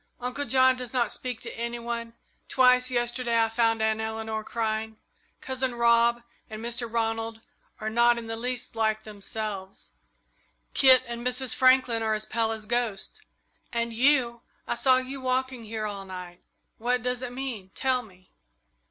Uncle John does not speak to any one; twice yesterday I found Aunt Eleanor crying; Cousin Rob and Mr. Ronald are not in the least like themselves; Kit and Mrs. Franklin are as pale as ghosts, and you I saw you walking here all night. What does it mean? Tell me!"